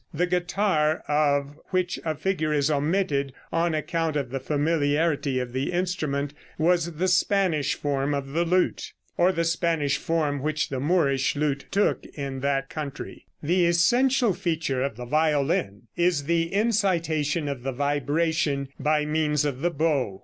The guitar, of which a figure is omitted on account of the familiarity of the instrument, was the Spanish form of the lute, or the Spanish form which the Moorish lute took in that country. The essential feature of the violin is the incitation of the vibration by means of the bow.